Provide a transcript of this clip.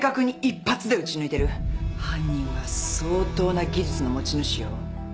犯人は相当な技術の持ち主よ。